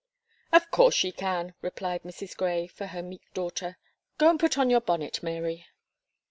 "Of course she can," replied Mrs. Gray for her meek daughter. "Go and put on your bonnet, Mary.'"